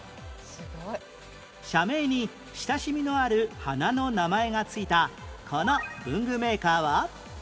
社名に親しみのある花の名前が付いたこの文具メーカーは？